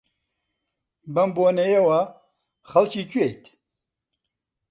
بەم بۆنەیەوە، خەڵکی کوێیت؟